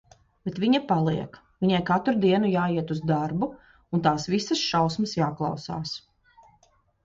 Bet viņa paliek. Viņai katru dienu jāiet uz darbu un "tās visas šausmas jāklausās".